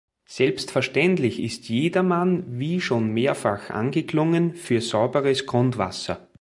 Selbstverständlich ist jedermann wie schon mehrfach angeklungen für sauberes Grundwasser.